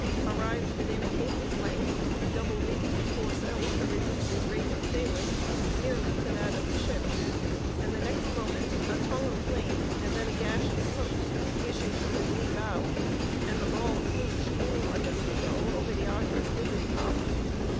Arrived within a cable's length, he double reefed his foresail to reduce his rate of sailing nearly to that of the ship; and the next moment a tongue of flame, and then a gash of smoke, issued from his lee bow, and the ball flew screaming like a seagull over the Agra's mizzen top.